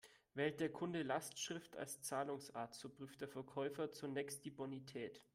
Wählt der Kunde Lastschrift als Zahlungsart, so prüft der Verkäufer zunächst die Bonität.